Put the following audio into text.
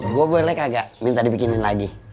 gue boleh kagak minta dibikinin lagi